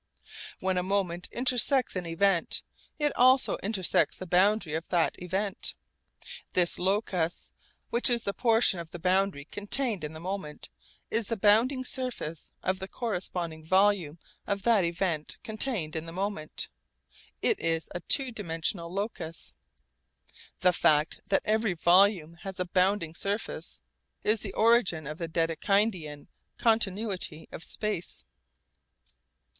When a moment intersects an event, it also intersects the boundary of that event. This locus, which is the portion of the boundary contained in the moment, is the bounding surface of the corresponding volume of that event contained in the moment. It is a two dimensional locus. The fact that every volume has a bounding surface is the origin of the Dedekindian continuity of space.